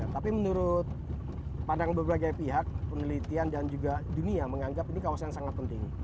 tapi menurut pandangan berbagai pihak penelitian dan juga dunia menganggap ini kawasan yang sangat penting